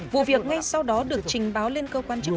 vụ việc ngay sau đó được trình báo lên cơ quan chức